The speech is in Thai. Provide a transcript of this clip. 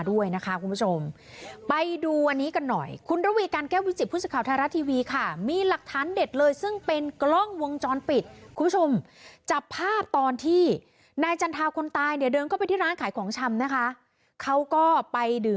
เวลาในกล้องไม่ตรงนะคะ